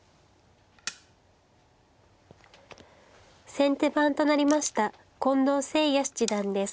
先手番となりました近藤誠也七段です。